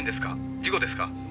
事故ですか？」